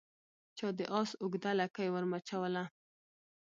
چا د آس اوږده لکۍ ور مچوله